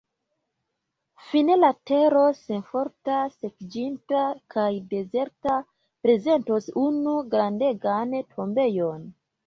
Fine la tero, senforta, sekiĝinta kaj dezerta, prezentos unu grandegan tombejon.